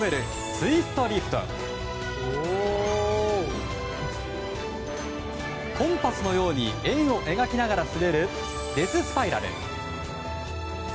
ツイストリフトコンパスのように円を描きながら滑るデススパイラル